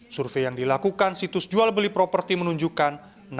survei yang dilakukan situs jual beli properti menunjukkan